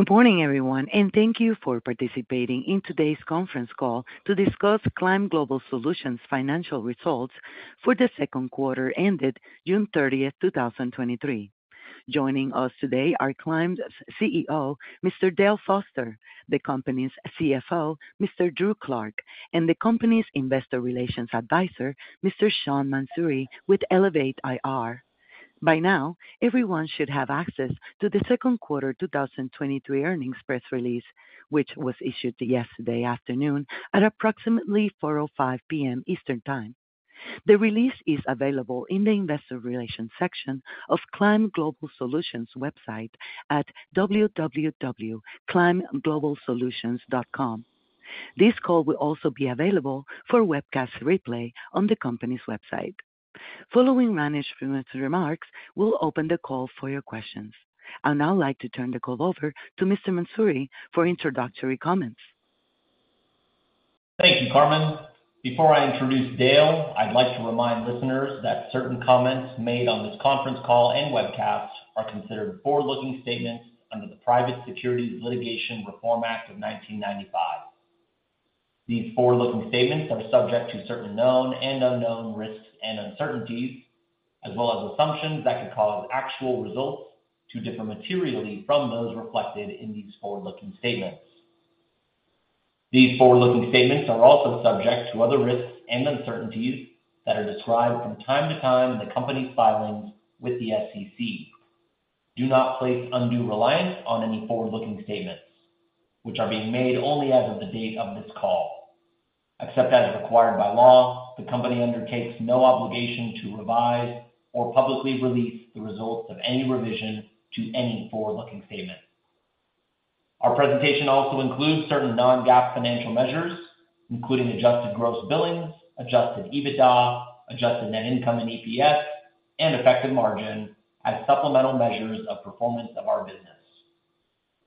Good morning, everyone. Thank you for participating in today's conference call to discuss Climb Global Solutions' financial results for the second quarter ended June 30, 2023. Joining us today are Climb's CEO, Mr. Dale Foster, the company's CFO, Mr. Drew Clark, and the company's investor relations advisor, Mr. Sean Mansuri, with Elevate IR. By now, everyone should have access to the second quarter 2023 earnings press release, which was issued yesterday afternoon at approximately 4:05 P.M. Eastern Time. The release is available in the investor relations section of Climb Global Solutions website at www.climbglobalsolutions.com. This call will also be available for webcast replay on the company's website. Following managed remarks, we'll open the call for your questions. I'd now like to turn the call over to Mr. Mansuri for introductory comments. Thank you, Carmen. Before I introduce Dale, I'd like to remind listeners that certain comments made on this conference call and webcast are considered forward-looking statements under the Private Securities Litigation Reform Act of 1995. These forward-looking statements are subject to certain known and unknown risks and uncertainties, as well as assumptions that could cause actual results to differ materially from those reflected in these forward-looking statements. These forward-looking statements are also subject to other risks and uncertainties that are described from time to time in the company's filings with the SEC. Do not place undue reliance on any forward-looking statements which are being made only as of the date of this call. Except as required by law, the company undertakes no obligation to revise or publicly release the results of any revision to any forward-looking statement. Our presentation also includes certain non-GAAP financial measures, including adjusted gross billings, adjusted EBITDA, adjusted net income and EPS, and effective margin as supplemental measures of performance of our business.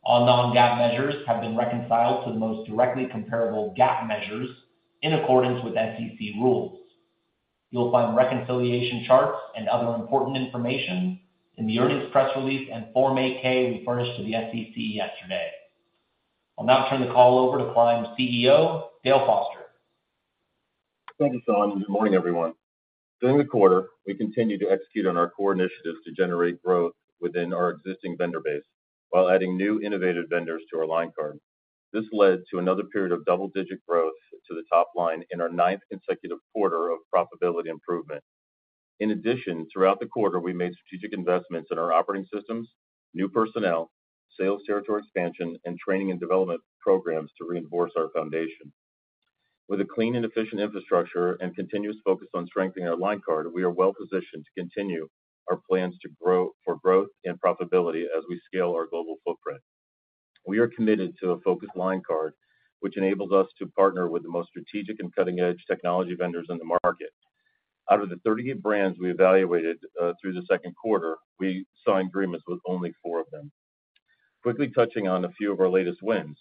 All non-GAAP measures have been reconciled to the most directly comparable GAAP measures in accordance with SEC rules. You'll find reconciliation charts and other important information in the earnings press release and Form 8-K we furnished to the SEC yesterday. I'll now turn the call over to Climb CEO, Dale Foster. Thank you, Sean. Good morning, everyone. During the quarter, we continued to execute on our core initiatives to generate growth within our existing vendor base while adding new innovative vendors to our line card. This led to another period of double-digit growth to the top line in our ninth consecutive quarter of profitability improvement. In addition, throughout the quarter, we made strategic investments in our operating systems, new personnel, sales territory expansion, and training and development programs to reinforce our foundation. With a clean and efficient infrastructure and continuous focus on strengthening our line card, we are well positioned to continue our plans for growth and profitability as we scale our global footprint. We are committed to a focused line card, which enables us to partner with the most strategic and cutting-edge technology vendors in the market. Out of the 38 brands we evaluated, through the second quarter, we signed agreements with only four of them. Quickly touching on a few of our latest wins.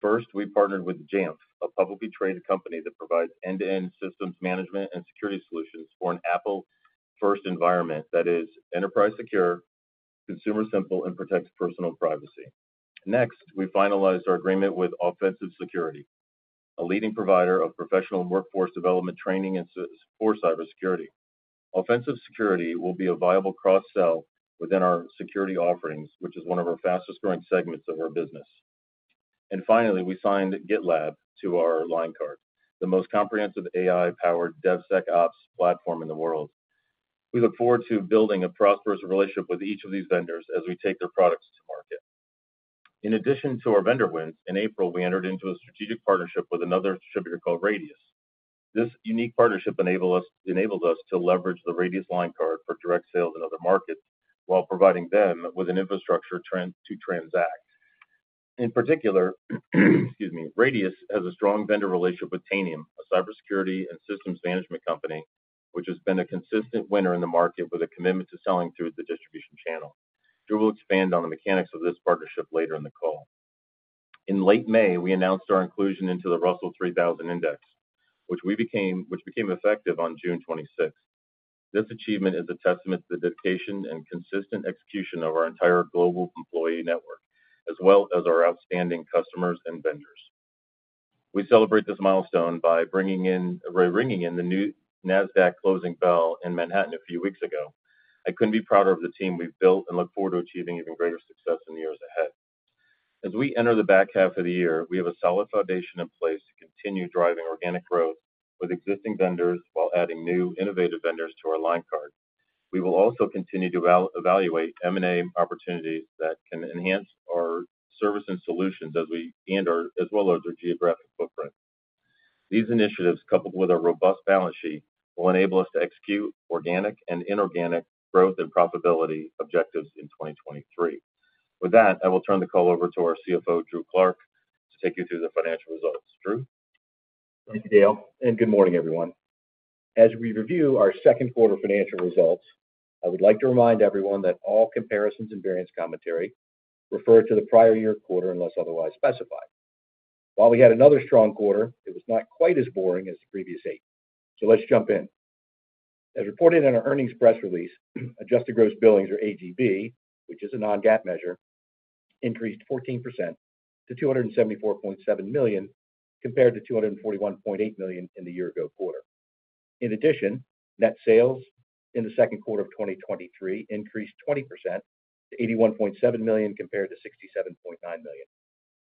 First, we partnered with Jamf, a publicly traded company that provides end-to-end systems management and security solutions for an Apple-first environment that is enterprise secure, consumer simple, and protects personal privacy. Next, we finalized our agreement with Offensive Security, a leading provider of professional workforce development training for cybersecurity. Offensive Security will be a viable cross-sell within our security offerings, which is one of our fastest growing segments of our business. Finally, we signed GitLab to our line card, the most comprehensive AI-powered DevSecOps platform in the world. We look forward to building a prosperous relationship with each of these vendors as we take their products to market. In addition to our vendor wins, in April, we entered into a strategic partnership with another distributor called Radius. This unique partnership enabled us to leverage the Radius line card for direct sales in other markets, while providing them with an infrastructure trend to transact. In particular, excuse me, Radius has a strong vendor relationship with Tanium, a cybersecurity and systems management company, which has been a consistent winner in the market with a commitment to selling through the distribution channel. Drew will expand on the mechanics of this partnership later in the call. In late May, we announced our inclusion into the Russell 3000 Index, which became effective on June 26th. This achievement is a testament to the dedication and consistent execution of our entire global employee network, as well as our outstanding customers and vendors. We celebrate this milestone by bringing in... ringing in the new NASDAQ closing bell in Manhattan a few weeks ago. I couldn't be prouder of the team we've built and look forward to achieving even greater success in the years ahead. We enter the back half of the year, we have a solid foundation in place to continue driving organic growth with existing vendors while adding new innovative vendors to our line card. We will also continue to evaluate M&A opportunities that can enhance our service and solutions and our, as well as our geographic footprint. These initiatives, coupled with a robust balance sheet, will enable us to execute organic and inorganic growth and profitability objectives in 2023. With that, I will turn the call over to our CFO, Drew Clark, to take you through the financial results. Drew? Thank you, Dale. Good morning, everyone. As we review our second quarter financial results, I would like to remind everyone that all comparisons and variance commentary refer to the prior year quarter, unless otherwise specified. While we had another strong quarter, it was not quite as boring as the previous eight. Let's jump in. As reported in our earnings press release, adjusted gross billings or AGB, which is a non-GAAP measure, increased 14% to $274.7 million, compared to $241.8 million in the year-ago quarter. In addition, net sales in the second quarter of 2023 increased 20% to $81.7 million, compared to $67.9 million,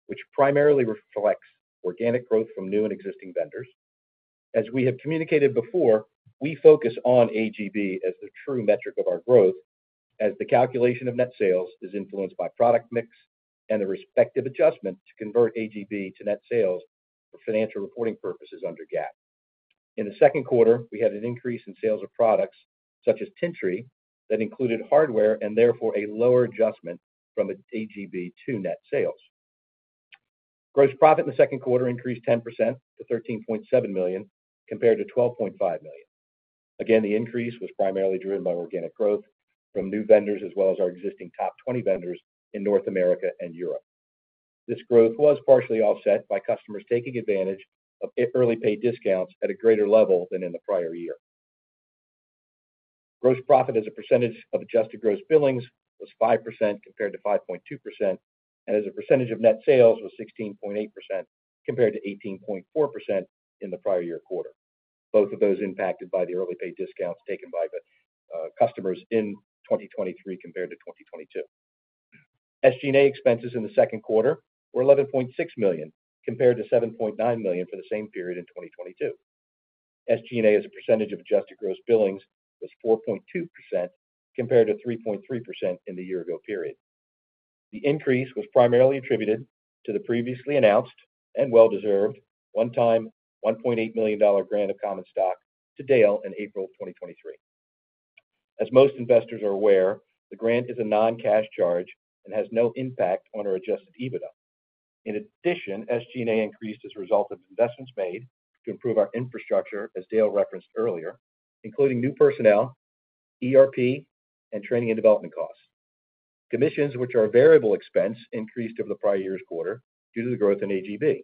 which primarily reflects organic growth from new and existing vendors. As we have communicated before, we focus on AGB as the true metric of our growth, as the calculation of net sales is influenced by product mix and the respective adjustment to convert AGB to net sales for financial reporting purposes under GAAP. In the second quarter, we had an increase in sales of products such as Tintri, that included hardware and therefore a lower adjustment from AGB to net sales. Gross profit in the second quarter increased 10% to $13.7 million, compared to $12.5 million. Again, the increase was primarily driven by organic growth from new vendors, as well as our existing top 20 vendors in North America and Europe. This growth was partially offset by customers taking advantage of early pay discounts at a greater level than in the prior year. Gross profit as a percentage of adjusted gross billings, was 5% compared to 5.2%, and as a percentage of net sales was 16.8% compared to 18.4% in the prior year quarter. Both of those impacted by the early pay discounts taken by the customers in 2023 compared to 2022. SG&A expenses in the second quarter were $11.6 million, compared to $7.9 million for the same period in 2022. SG&A, as a percentage of adjusted gross billings, was 4.2%, compared to 3.3% in the year ago period. The increase was primarily attributed to the previously announced and well-deserved one-time, $1.8 million grant of common stock to Dale in April 2023. As most investors are aware, the grant is a non-cash charge and has no impact on our adjusted EBITDA. In addition, SG&A increased as a result of investments made to improve our infrastructure, as Dale referenced earlier, including new personnel, ERP, and training and development costs. Commissions, which are a variable expense, increased over the prior year's quarter due to the growth in AGB.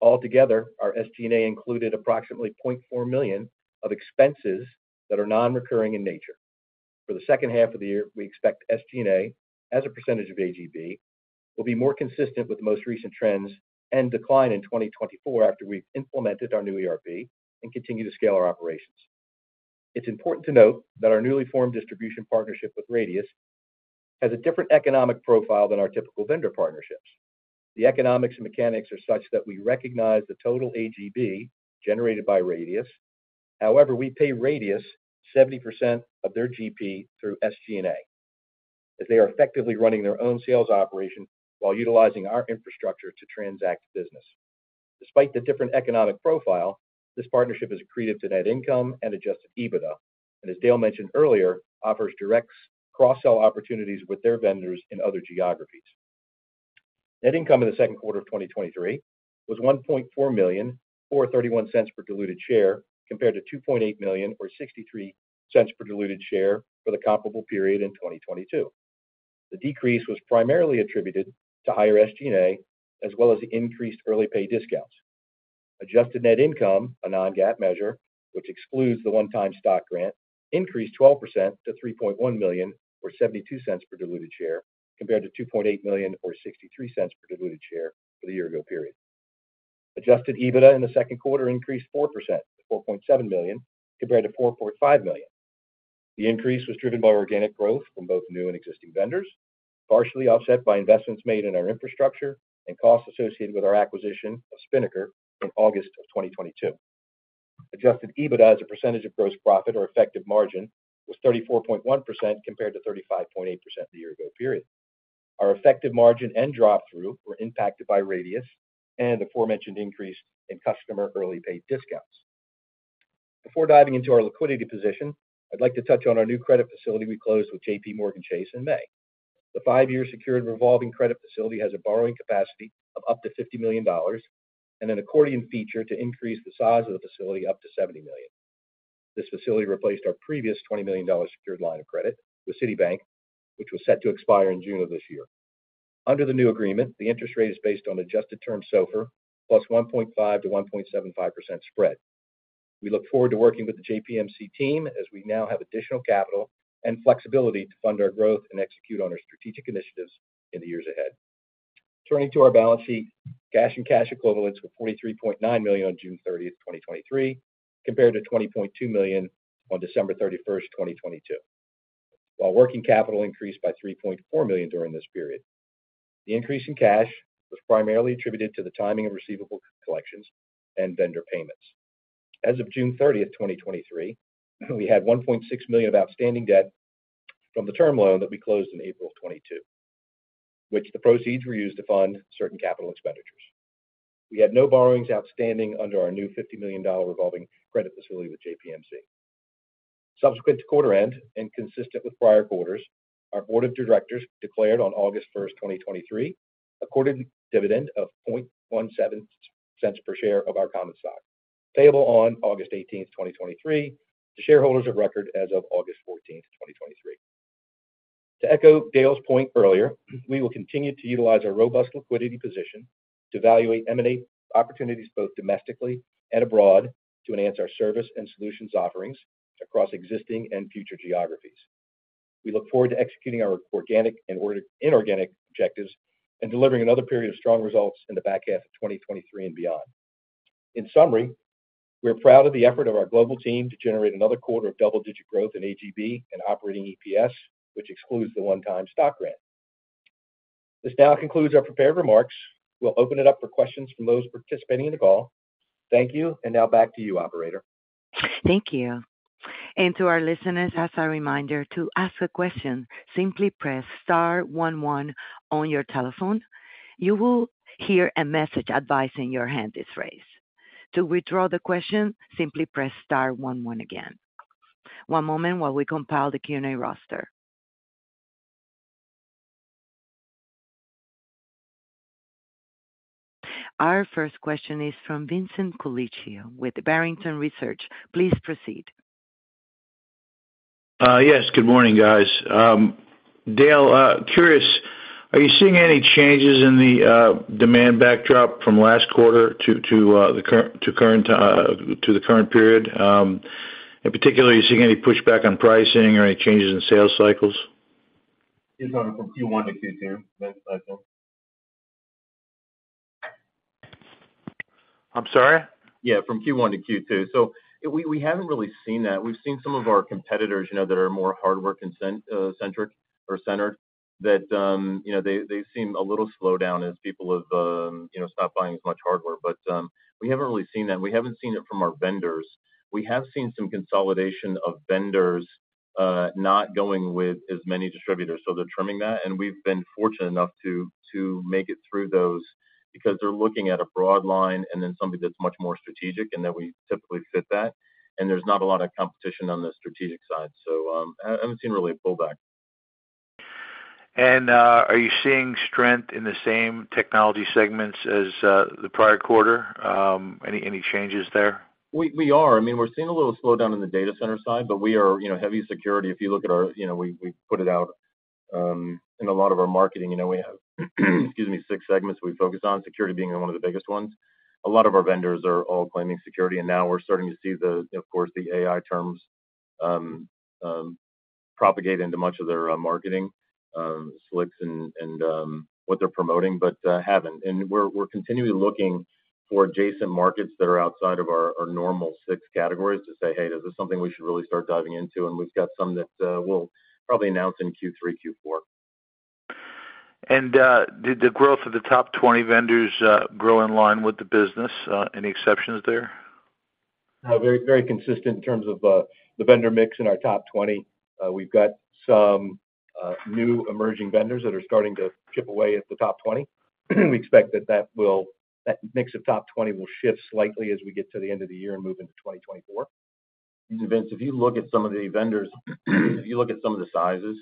Altogether, our SG&A included approximately $0.4 million of expenses that are non-recurring in nature. For the second half of the year, we expect SG&A, as a percentage of AGB, will be more consistent with the most recent trends and decline in 2024 after we've implemented our new ERP and continue to scale our operations. It's important to note that our newly formed distribution partnership with Radius Channels has a different economic profile than our typical vendor partnerships. The economics and mechanics are such that we recognize the total AGB generated by Radius Channels. We pay Radius Channels 70% of their GP through SG&A, as they are effectively running their own sales operation while utilizing our infrastructure to transact business. Despite the different economic profile, this partnership is accretive to net income and adjusted EBITDA, and as Dale mentioned earlier, offers direct cross-sell opportunities with their vendors in other geographies. Net income in the second quarter of 2023 was $1.4 million or $0.31 per diluted share, compared to $2.8 million or $0.63 per diluted share for the comparable period in 2022. The decrease was primarily attributed to higher SG&A, as well as increased early pay discounts. Adjusted net income, a non-GAAP measure, which excludes the one-time stock grant, increased 12% to $3.1 million or $0.72 per diluted share, compared to $2.8 million or $0.63 per diluted share for the year ago period. Adjusted EBITDA in the second quarter increased 4% to $4.7 million, compared to $4.5 million. The increase was driven by organic growth from both new and existing vendors, partially offset by investments made in our infrastructure and costs associated with our acquisition of Spinnaker in August of 2022. Adjusted EBITDA as a percentage of gross profit or effective margin, was 34.1% compared to 35.8% the year ago period. Our effective margin and drop through were impacted by Radius and the aforementioned increase in customer early paid discounts. Before diving into our liquidity position, I'd like to touch on our new credit facility we closed with JPMorgan Chase in May. The five-year secured revolving credit facility has a borrowing capacity of up to $50 million and an accordion feature to increase the size of the facility up to $70 million. This facility replaced our previous $20 million secured line of credit with Citibank, which was set to expire in June of this year. Under the new agreement, the interest rate is based on adjusted term SOFR plus 1.5%-1.75% spread. We look forward to working with the JPMC team as we now have additional capital and flexibility to fund our growth and execute on our strategic initiatives in the years ahead. Turning to our balance sheet, cash and cash equivalents were $43.9 million on June 30, 2023, compared to $20.2 million on December 31, 2022. While working capital increased by $3.4 million during this period. The increase in cash was primarily attributed to the timing of receivable collections and vendor payments. As of June 30, 2023, we had $1.6 million of outstanding debt from the term loan that we closed in April 2022, which the proceeds were used to fund certain capital expenditures. We had no borrowings outstanding under our new $50 million revolving credit facility with JPMC. Subsequent to quarter end and consistent with prior quarters, our board of directors declared on August 1, 2023, a dividend of $0.17 per share of our common stock, payable on August 18, 2023, to shareholders of record as of August 14, 2023. To echo Dale's point earlier, we will continue to utilize our robust liquidity position to evaluate M&A opportunities, both domestically and abroad, to enhance our service and solutions offerings across existing and future geographies. We look forward to executing our organic and inorganic objectives and delivering another period of strong results in the back half of 2023 and beyond. In summary, we're proud of the effort of our global team to generate another quarter of double-digit growth in AGB and operating EPS, which excludes the one-time stock grant. This now concludes our prepared remarks. We'll open it up for questions from those participating in the call. Thank you. Now back to you, operator. Thank you. To our listeners, as a reminder, to ask a question, simply press star 11 on your telephone. You will hear a message advising your hand is raised. To withdraw the question, simply press star 11 again. One moment while we compile the Q&A roster. Our first question is from Vincent Colicchio with Barrington Research. Please proceed. Yes, good morning, guys. Dale, curious, are you seeing any changes in the demand backdrop from last quarter to the current period? Particularly, are you seeing any pushback on pricing or any changes in sales cycles? You're talking from Q1 to Q2, that cycle? I'm sorry? Yeah, from Q1 to Q2. We haven't really seen that. We've seen some of our competitors, you know, that are more hardware-centric or centered, that, you know, they've seen a little slowdown as people have, you know, stopped buying as much hardware. We haven't really seen that, and we haven't seen it from our vendors. We have seen some consolidation of vendors, not going with as many distributors, so they're trimming that, and we've been fortunate enough to make it through those because they're looking at a broad line and then somebody that's much more strategic, and that we typically fit that. There's not a lot of competition on the strategic side. I haven't seen really a pullback. Are you seeing strength in the same technology segments as the prior quarter? Any, any changes there? We, we are. I mean, we're seeing a little slowdown in the data center side, but we are, you know, heavy security. If you look at our... You know, we, we put it out in a lot of our marketing. You know, we have, excuse me, 6 segments we focus on, security being one of the biggest ones. A lot of our vendors are all claiming security, and now we're starting to see the, of course, the AI terms propagate into much of their marketing slicks and what they're promoting, but haven't. We're continually looking for adjacent markets that are outside of our normal 6 categories to say, "Hey, is this something we should really start diving into?" We've got some that we'll probably announce in Q3, Q4. Did the growth of the top 20 vendors grow in line with the business? Any exceptions there? Very, very consistent in terms of the vendor mix in our top 20. We've got some new emerging vendors that are starting to chip away at the top 20. We expect that that mix of top 20 will shift slightly as we get to the end of the year and move into 2024. Vince, if you look at some of the vendors, if you look at some of the sizes,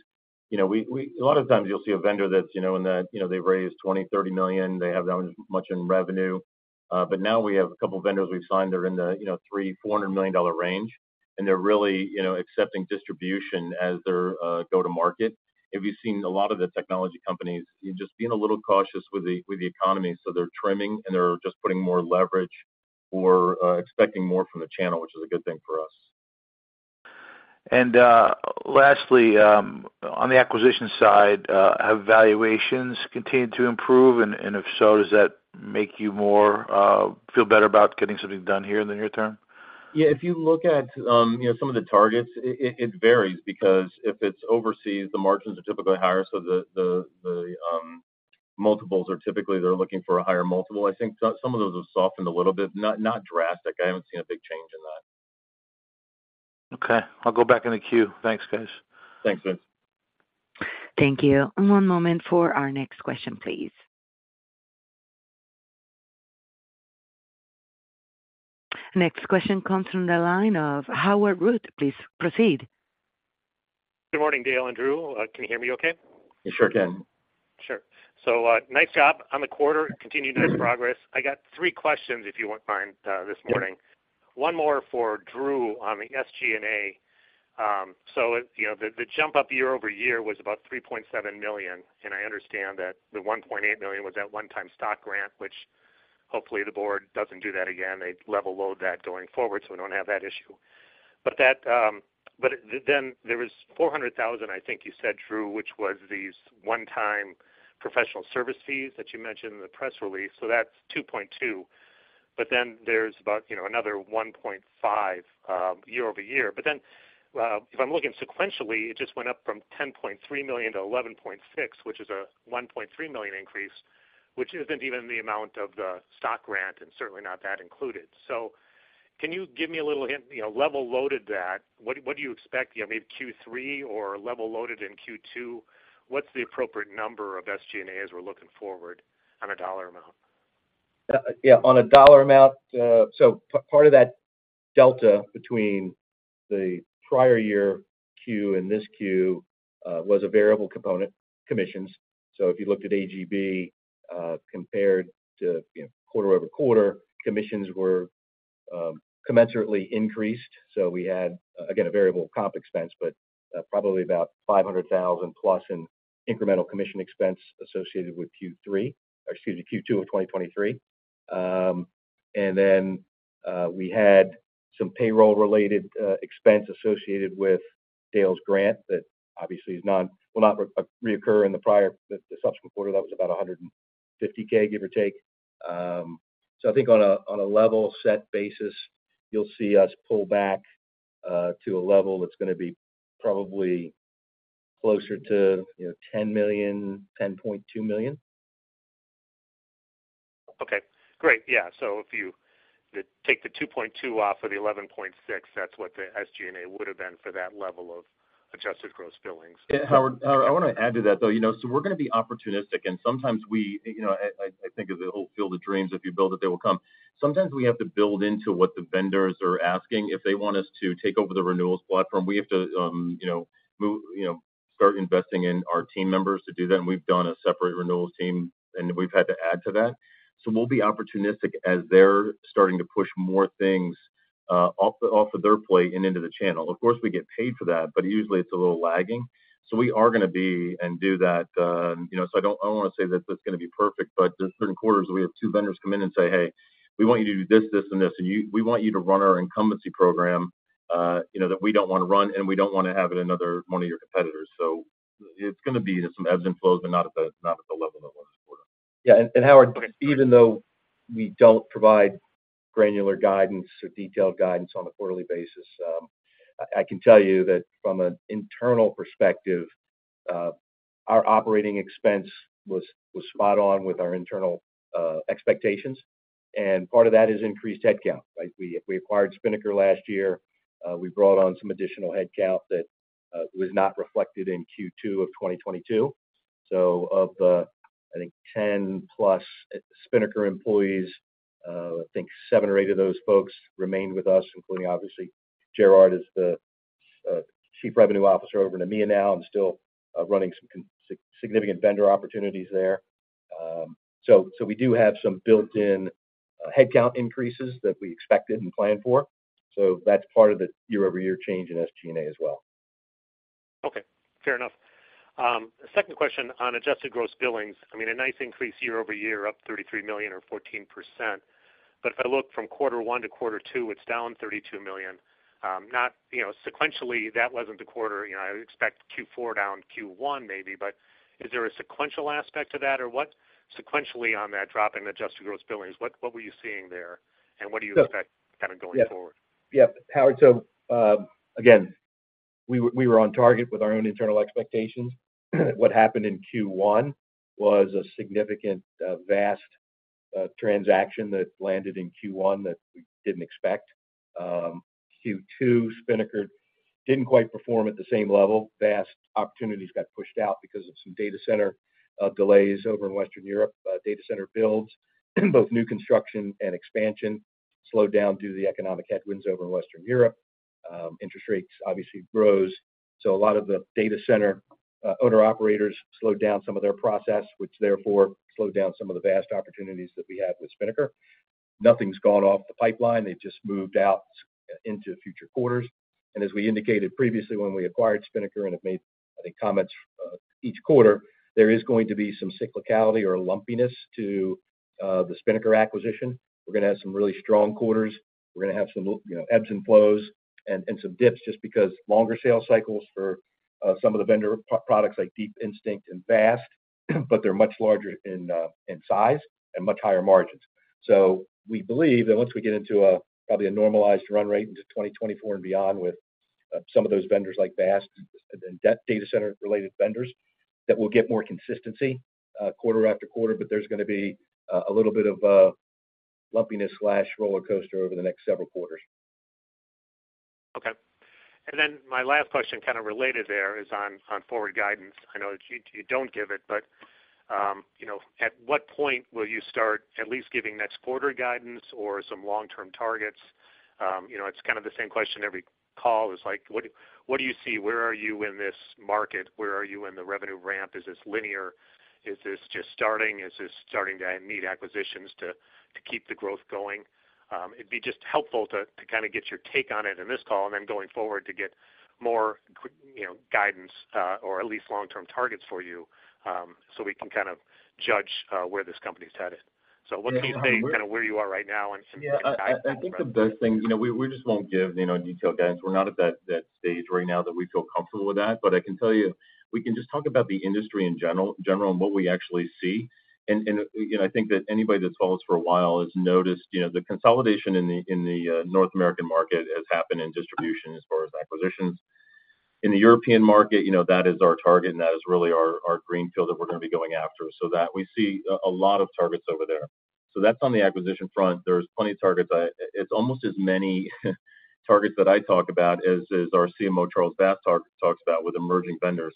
you know, A lot of times you'll see a vendor that's, you know, in the, you know, they've raised $20 million-$30 million, they have that much in revenue. Now we have a couple vendors we've signed, they're in the, you know, $300 million-$400 million range, and they're really, you know, accepting distribution as their go-to-market. If you've seen a lot of the technology companies, you're just being a little cautious with the, with the economy, so they're trimming, and they're just putting more leverage or expecting more from the channel, which is a good thing for us. Lastly, on the acquisition side, have valuations continued to improve? If so, does that make you more feel better about getting something done here in the near term? If you look at, you know, some of the targets, it varies because if it's overseas, the margins are typically higher, so the multiples are typically, they're looking for a higher multiple. I think some of those have softened a little bit. Not drastic. I haven't seen a big change in that. Okay. I'll go back in the queue. Thanks, guys. Thanks, Vince. Thank you. One moment for our next question, please. Next question comes from the line of Howard Root. Please proceed. Good morning, Dale and Drew. Can you hear me okay? We sure can. Sure. Nice job on the quarter. Continued nice progress. I got three questions, if you wouldn't mind this morning. Yeah. One more for Drew on the SG&A. You know, the, the jump up year-over-year was about $3.7 million, and I understand that the $1.8 million was that one-time stock grant, which hopefully the board doesn't do that again. They level load that going forward, so we don't have that issue. Then there was $400,000, I think you said, Drew, which was these one-time professional service fees that you mentioned in the press release, so that's $2.2. There's about, you know, another $1.5 year-over-year. If I'm looking sequentially, it just went up from $10.3 million to $11.6, which is a $1.3 million increase, which isn't even the amount of the stock grant and certainly not that included. Can you give me a little hint, you know, level loaded that, what, what do you expect, you know, maybe Q3 or level loaded in Q2? What's the appropriate number of SG&A as we're looking forward on a dollar amount? Yeah, on a dollar amount, so part of that delta between the prior year Q and this Q, was a variable component, commissions. If you looked at AGB, compared to, you know, quarter-over-quarter, commissions were. Commensurately increased. We had, again, a variable comp expense, but, probably about $500,000 plus in incremental commission expense associated with Q3, or excuse me, Q2 of 2023. Then, we had some payroll-related expense associated with Dale's grant that obviously is not will not re-reoccur in the prior, the subsequent quarter. That was about $150K, give or take. I think on a, on a level set basis, you'll see us pull back to a level that's gonna be probably closer to, you know, $10 million, $10.2 million. Okay, great. Yeah, if you take the $2.2 off of the $11.6, that's what the SG&A would have been for that level of adjusted gross billings. Howard, I wanna add to that, though. You know, we're gonna be opportunistic, and sometimes we, you know, I, I think of the whole Field of Dreams, "If you build it, they will come." Sometimes we have to build into what the vendors are asking. If they want us to take over the renewals platform, we have to, you know, move, you know, start investing in our team members to do that, and we've done a separate renewals team, and we've had to add to that. We'll be opportunistic as they're starting to push more things off the, off of their plate and into the channel. Of course, we get paid for that, but usually it's a little lagging. We are gonna be and do that, you know, I don't-- I don't wanna say that that's gonna be perfect, but there are certain quarters we have two vendors come in and say, "Hey, we want you to do this, this, and this, and you we want you to run our incumbency program, you know, that we don't wanna run, and we don't wanna have it another one of your competitors." It's gonna be some ebbs and flows, but not at the, not at the level that was before. Howard, even though we don't provide granular guidance or detailed guidance on a quarterly basis, I can tell you that from an internal perspective, our operating expense was spot on with our internal expectations, and part of that is increased headcount. Like, we acquired Spinnaker last year. We brought on some additional headcount that was not reflected in Q2 of 2022. Of the, I think, 10-plus Spinnaker employees, I think 7 or 8 of those folks remained with us, including obviously, Gerard is the Chief Revenue Officer over in EMEA now, and still running some significant vendor opportunities there. So we do have some built-in headcount increases that we expected and planned for. That's part of the year-over-year change in SG&A as well. Okay, fair enough. Second question on adjusted gross billings. I mean, a nice increase year-over-year, up $33 million or 14%. If I look from quarter one to quarter two, it's down $32 million. Not, you know, sequentially, that wasn't the quarter. You know, I expect Q4 down, Q1 maybe, but is there a sequential aspect to that, or what sequentially on that drop in adjusted gross billings, what, what were you seeing there, and what do you expect kind of going forward? Yeah. Howard, again, we were, we were on target with our own internal expectations. What happened in Q1 was a significant VAST transaction that landed in Q1 that we didn't expect. Q2, Spinnaker didn't quite perform at the same level. VAST opportunities got pushed out because of some data center delays over in Western Europe. Data center builds, both new construction and expansion, slowed down due to the economic headwinds over in Western Europe. Interest rates obviously rose, a lot of the data center owner-operators slowed down some of their process, which therefore slowed down some of the VAST opportunities that we had with Spinnaker. Nothing's gone off the pipeline. They've just moved out into future quarters. As we indicated previously, when we acquired Spinnaker and have made, I think, comments, each quarter, there is going to be some cyclicality or lumpiness to the Spinnaker acquisition. We're gonna have some really strong quarters. We're gonna have some, you know, ebbs and flows and, and some dips, just because longer sales cycles for some of the vendor pro- products like Deep Instinct and VAST, but they're much larger in size and much higher margins. We believe that once we get into a probably a normalized run rate into 2024 and beyond with some of those vendors like VAST and then data center-related vendors, that we'll get more consistency, quarter after quarter, but there's gonna be a little bit of a lumpiness/rollercoaster over the next several quarters. Okay. My last question, kind of related there, is on, on forward guidance. I know you, you don't give it, but, you know, at what point will you start at least giving next quarter guidance or some long-term targets? You know, it's kind of the same question every call. It's like, what, what do you see? Where are you in this market? Where are you in the revenue ramp? Is this linear? Is this just starting? Is this starting to need acquisitions to, to keep the growth going? It'd be just helpful to, to kind of get your take on it in this call and then going forward to get more quick, you know, guidance, or at least long-term targets for you, so we can kind of judge where this company's headed. What can you say, kind of where you are right now and.. Yeah, I, I think the best thing, you know, we, we just won't give, you know, detailed guidance. We're not at that, that stage right now that we feel comfortable with that. I can tell you, we can just talk about the industry in general, general and what we actually see. And, you know, I think that anybody that's followed us for a while has noticed, you know, the consolidation in the, in the North American market has happened in distribution as far as acquisitions. In the European market, you know, that is our target, and that is really our, our greenfield that we're gonna be going after, so that we see a, a lot of targets over there. That's on the acquisition front. There's plenty of targets. It's almost as many targets that I talk about as our CMO, Charles Bass, talks about with emerging vendors.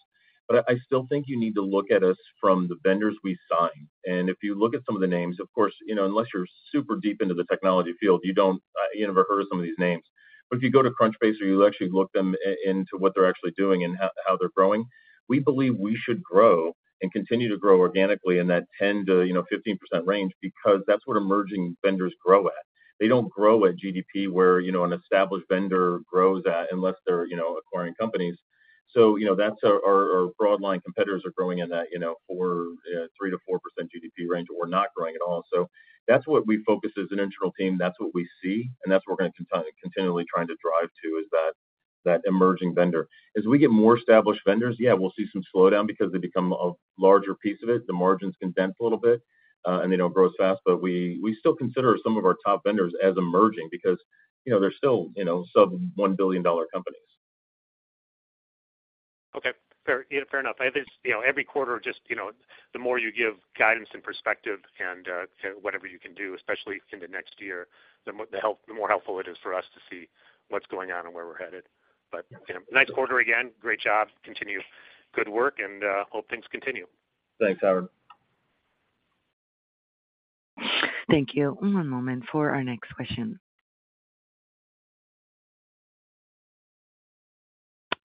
I still think you need to look at us from the vendors we sign. If you look at some of the names, of course, you know, unless you're super deep into the technology field, you don't, you never heard of some of these names. If you go to Crunchbase or you actually look them into what they're actually doing and how they're growing, we believe we should grow and continue to grow organically in that 10-15% range, because that's what emerging vendors grow at. They don't grow at GDP, where, you know, an established vendor grows at, unless they're, you know, acquiring companies. You know, that's our, our broad line competitors are growing at that, you know, 4, 3%-4% GDP range, or not growing at all. That's what we focus as an internal team, that's what we see, and that's what we're gonna continually trying to drive to, is that, that emerging vendor. As we get more established vendors, yeah, we'll see some slowdown because they become a larger piece of it. The margins condense a little bit, and they don't grow as fast. We, we still consider some of our top vendors as emerging because, you know, they're still, you know, sub-$1 billion companies. Okay, fair, fair enough. I just, you know, every quarter, just, you know, the more you give guidance and perspective and whatever you can do, especially in the next year, the more helpful it is for us to see what's going on and where we're headed. You know, nice quarter, again. Great job. Continue good work, and hope things continue. Thanks, Howard. Thank you. One moment for our next question.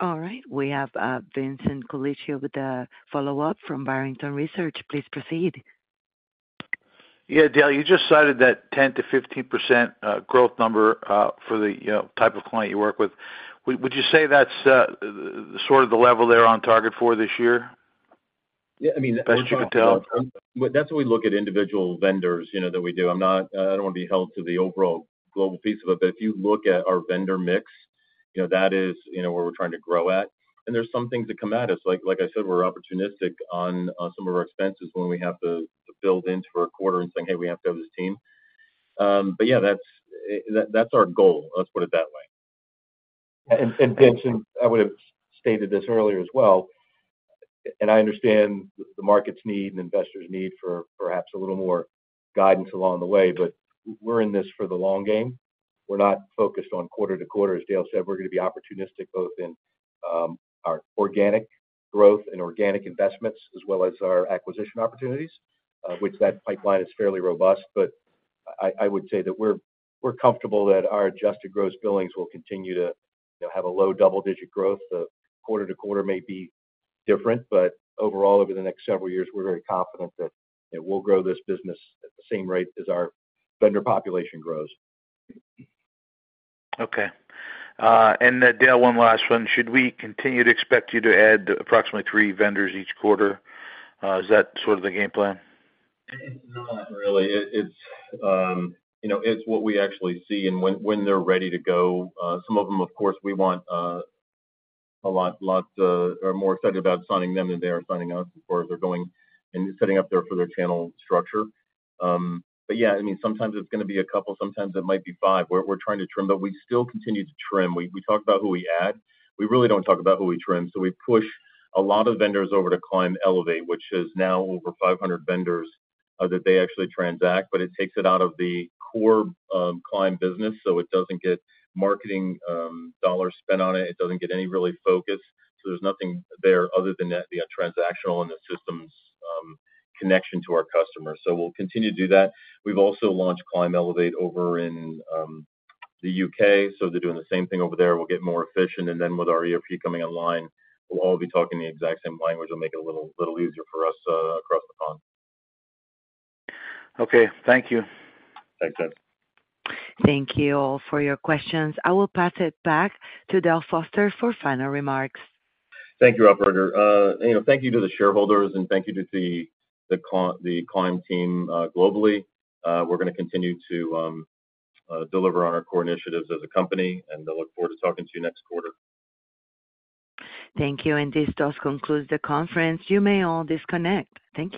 All right, we have Vincent Colicchio with a follow-up from Barrington Research. Please proceed. Yeah, Dale, you just cited that 10%-15% growth number for the, you know, type of client you work with. Would, would you say that's sort of the level they're on target for this year? Yeah, I mean- Best you can tell. Well, that's how we look at individual vendors, you know, that we do. I don't want to be held to the overall global piece of it. If you look at our vendor mix, you know, that is, you know, where we're trying to grow at, and there's some things that come at us. Like, like I said, we're opportunistic on, on some of our expenses when we have to, to build into a quarter and saying, "Hey, we have to have this team." Yeah, that's, that's our goal, let's put it that way. Vincent, I would have stated this earlier as well, and I understand the market's need and investors' need for perhaps a little more guidance along the way, but we're in this for the long game. We're not focused on quarter-to-quarter. As Dale said, we're going to be opportunistic both in our organic growth and organic investments, as well as our acquisition opportunities, which that pipeline is fairly robust. I would say that we're comfortable that our adjusted gross billings will continue to, you know, have a low double-digit growth. The quarter-to-quarter may be different, but overall, over the next several years, we're very confident that it will grow this business at the same rate as our vendor population grows. Okay. Dale, one last one. Should we continue to expect you to add approximately 3 vendors each quarter? Is that sort of the game plan? Not really. It, it's, you know, it's what we actually see, and when, when they're ready to go. Some of them, of course, we want, a lot, lots, are more excited about signing them than they are signing us, or they're going and setting up their further channel structure. But yeah, I mean, sometimes it's gonna be a couple, sometimes it might be five. We're, we're trying to trim, but we still continue to trim. We, we talk about who we add. We really don't talk about who we trim, so we push a lot of vendors over to Climb Elevate, which is now over 500 vendors that they actually transact, but it takes it out of the core Climb business, so it doesn't get marketing dollars spent on it. It doesn't get any really focus, so there's nothing there other than that, the transactional and the systems, connection to our customers. We'll continue to do that. We've also launched Climb Elevate over in the U.K., so they're doing the same thing over there. Then with our ERP coming online, we'll all be talking the exact same language. It'll make it a little, little easier for us across the pond. Okay. Thank you. Thanks, Vincent. Thank you all for your questions. I will pass it back to Dale Foster for final remarks. Thank you, operator. You know, thank you to the shareholders, thank you to the Climb team, globally. We're gonna continue to deliver on our core initiatives as a company, I look forward to talking to you next quarter. Thank you. This does conclude the conference. You may all disconnect. Thank you.